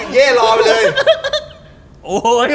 เย้อีก๔ปี